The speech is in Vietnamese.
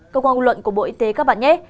cơ quan luận của bộ y tế các bạn nhé